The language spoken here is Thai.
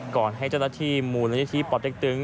ก่อนให้เจ้าหน้าที่มูลละเอียดที่ปลอดภัยตึง